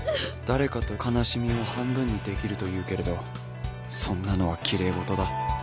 「誰かと悲しみを半分にできるというけれどそんなのは奇麗事だ」